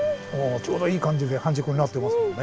ちょうどいい感じで半熟になってますね。